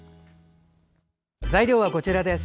材料はこちらです。